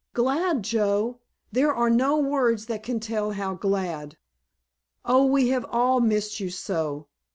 "Glad, Joe? There are no words that can tell how glad! Oh, we have all missed you so!